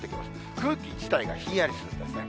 空気自体がひんやりするんですね。